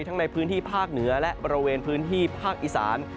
ทั้งในพื้นที่ภาคเหนือและบริเวณพื้นที่ภาคอีสาน